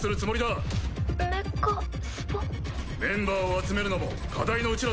メンバーを集めるのも課題のうちだぞ。